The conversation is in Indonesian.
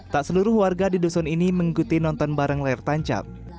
tak seluruh warga di dusun ini mengikuti nonton bareng layar tancap